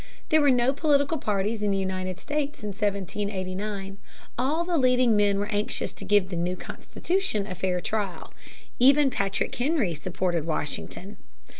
There were no political parties in the United States in 1789. All the leading men were anxious to give the new Constitution a fair trial. Even Patrick Henry supported Washington.